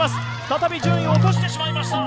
再び順位を落としてしまいました